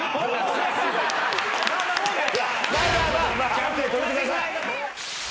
キャプテン止めてください！